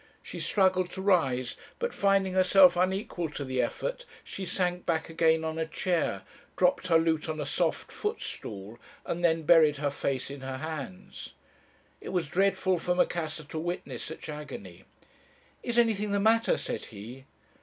She struggled to rise, but, finding herself unequal to the effort, she sank back again on a chair, dropped her lute on a soft footstool, and then buried her face in her hands. It was dreadful for Macassar to witness such agony. "'Is anything the matter?' said he.